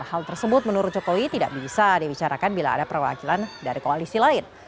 hal tersebut menurut jokowi tidak bisa dibicarakan bila ada perwakilan dari koalisi lain